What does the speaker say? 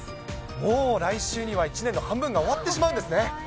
もう来週には１年の半分が終わってしまうんですね。